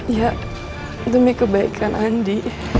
ya demi kebaikan andi